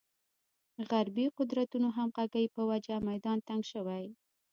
غربې قدرتونو همغږۍ په وجه میدان تنګ شوی.